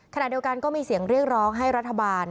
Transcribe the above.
ขณะเดียวกันก็มีเสียงเรียกร้องให้รัฐบาล